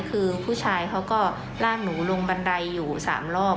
คือผู้ชายเขาก็ลากหนูลงบันไดอยู่๓รอบ